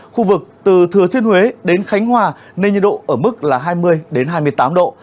khu vực từ thừa thiên huế đến khánh hòa nên nhiệt độ ở mức là hai mươi hai mươi tám độ